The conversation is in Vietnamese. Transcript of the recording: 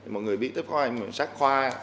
mọi người biết tới khoa mọi người quan sát khoa